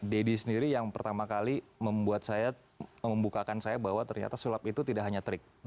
deddy sendiri yang pertama kali membuat saya membukakan saya bahwa ternyata sulap itu tidak hanya trik